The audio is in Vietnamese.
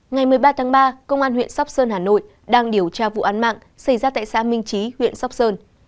ngày một mươi ba tháng ba công an huyện sóc sơn hà nội đang điều tra vụ án mạng xảy ra tại xã minh trí huyện sóc sơn